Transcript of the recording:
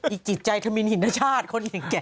อีกจิตใจทำรินหินชาติคนแข็งแก่